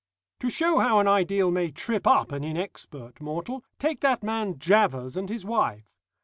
"To show how an ideal may trip up an inexpert mortal, take that man Javvers and his wife.